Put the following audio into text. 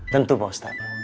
tentu pak ustaz